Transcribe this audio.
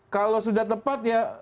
kalau sudah tepat ya